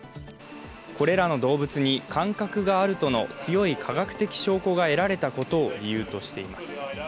これらの動物に感覚があるとの強い科学的証拠が得られたことを理由としています。